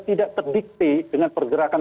tidak terdikti dengan pergerakan